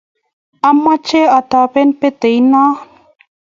amache atobin peteit noo.